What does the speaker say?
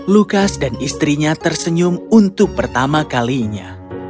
lukas dan istrinya tersenyum untuk pertama kalinya